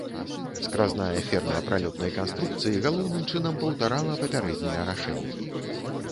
Скразная ферма пралётнай канструкцыі галоўным чынам паўтарала папярэднія рашэнні.